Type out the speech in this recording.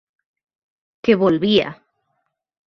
Que volvía.